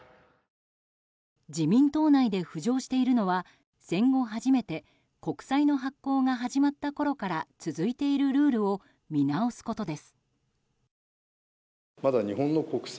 自民党内で浮上しているのは戦後初めて国債の発行が始まったころから続いているルールを見直すことです。